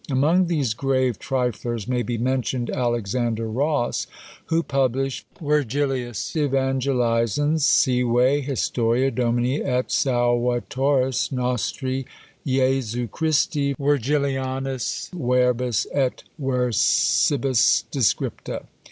Among these grave triflers may be mentioned Alexander Ross, who published "Virgilius Evangelizans, sive Historia Domini et Salvatoris nostri Jesu Christi Virgilianis verbis et versibus descripta."